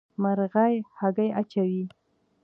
مرغۍ هګۍ اچوي.